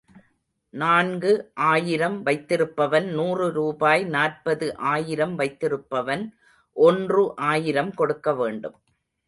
நான்கு ஆயிரம் வைத்திருப்பவன் நூறு ரூபாய், நாற்பது ஆயிரம் வைத்திருப்பவன் ஒன்று ஆயிரம் கொடுக்க வேண்டும்.